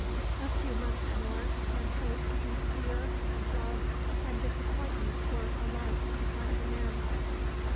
A few months more, and hope and fear and love and disappointment were alike to find an end.